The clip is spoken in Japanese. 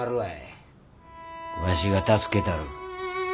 わしが助けたる。